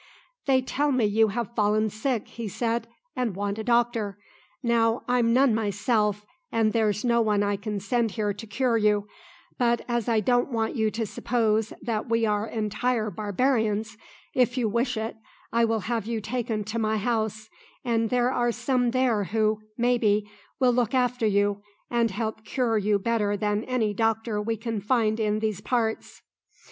"They tell me you have fallen sick," he said, "and want a doctor. Now I'm none myself, and there's no one I can send here to cure you; but, as I don't want you to suppose that we are entire barbarians, if you wish it, I will have you taken to my house, and there are some there who, maybe, will look after you and help cure you better than any doctor we can find in these parts."